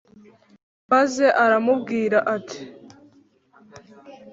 Maze aramubwira ati